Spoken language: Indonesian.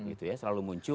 itu ya selalu muncul